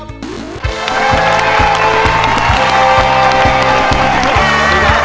สวัสดีค่ะ